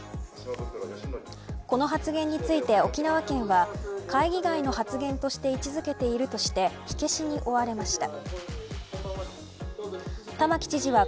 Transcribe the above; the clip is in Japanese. この発言について沖縄県は会議外の発言として位置づけているとして火消しに追われました。